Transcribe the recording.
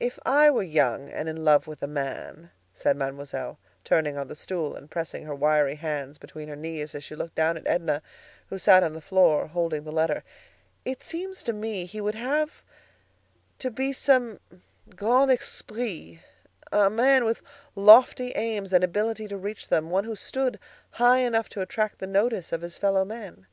"If I were young and in love with a man," said Mademoiselle, turning on the stool and pressing her wiry hands between her knees as she looked down at Edna, who sat on the floor holding the letter, "it seems to me he would have to be some grand esprit; a man with lofty aims and ability to reach them; one who stood high enough to attract the notice of his fellow men.